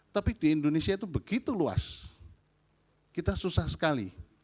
tapi di indonesia itu begitu luas kita susah sekali